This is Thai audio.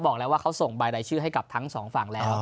บอกแล้วว่าเขาส่งใบรายชื่อให้กับทั้งสองฝั่งแล้ว